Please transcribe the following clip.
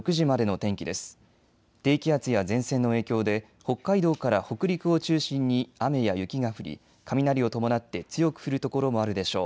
低気圧や前線の影響で北海道から北陸を中心に雨や雪が降り雷を伴って強く降る所もあるでしょう。